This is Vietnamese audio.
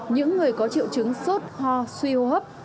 những người có triệu chứng sốt ho suy hô hấp